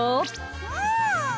うん！